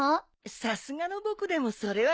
さすがの僕でもそれはないさ。